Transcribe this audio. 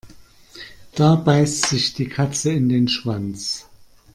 Da beißt sich die Katze in den Schwanz.